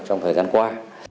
trong thời gian qua